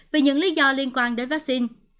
vì những lý do liên quan đến vaccine